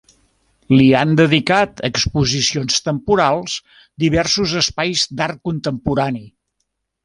Li han dedicat exposicions temporals diversos espais d'art contemporani.